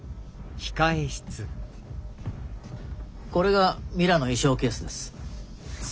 これがミラの衣装ケースです。